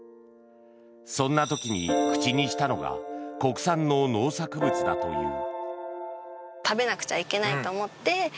そんな時に口にしたのが国産の農作物だという。